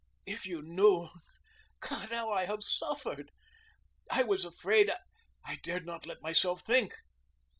"If you knew God, how I have suffered! I was afraid I dared not let myself think."